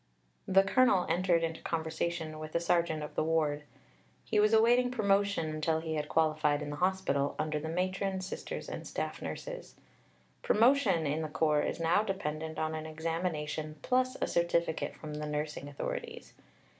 The Colonel entered into conversation with the Sergeant of a ward. He was awaiting promotion until he had qualified in the hospital, under the Matron, Sisters, and Staff Nurses. Promotion in the Corps is now dependent on an examination plus a certificate from the nursing authorities.